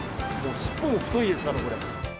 尻尾も太いですから。